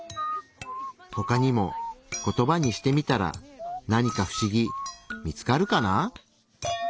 ほかにもコトバにしてみたら何か不思議見つかるかな？